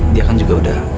dia kan juga udah